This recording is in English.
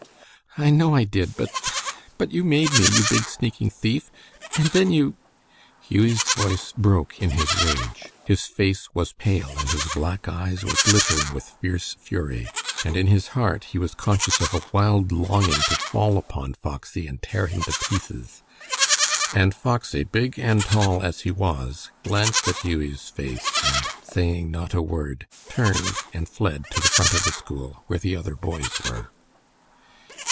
"I know I did, but but you made me, you big, sneaking thief and then you " Hughie's voice broke in his rage. His face was pale, and his black eyes were glittering with fierce fury, and in his heart he was conscious of a wild longing to fall upon Foxy and tear him to pieces. And Foxy, big and tall as he was, glanced at Hughie's face, and saying not a word, turned and fled to the front of the school where the other boys were.